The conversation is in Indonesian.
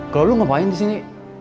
kalau lo ngapain disini